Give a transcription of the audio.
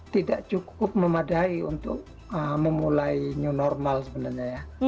tidak cukup memadai untuk memulai new normal sebenarnya ya